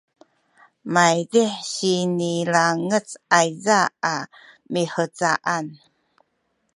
maydih sinilangec ayza a mihcaan